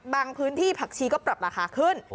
พื้นที่ผักชีก็ปรับราคาขึ้น